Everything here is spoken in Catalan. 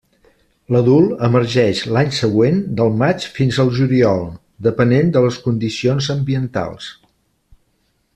L'adult emergeix l'any següent del maig fins al juliol, depenent de les condicions ambientals.